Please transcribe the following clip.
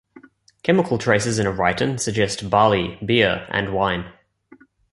Chemical traces in a rhyton suggest barley, beer, and wine.